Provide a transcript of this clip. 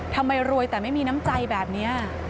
ทำไมรวยแต่ไม่มีน้ำใจแบบนี้